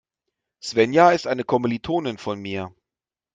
Svenja ist eine Kommilitonin von mir.